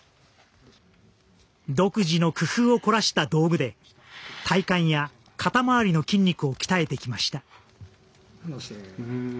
独自の工夫を凝らした道具で体幹や肩回りの筋肉を鍛えてきました。